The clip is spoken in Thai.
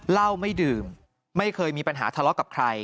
เหล้าไม่ดื่มไม่เคยมีปัญหาทะเลาะกับใคร